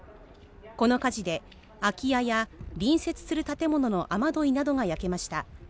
この火事で空き家や隣接する建物の雨どいなどが焼けました。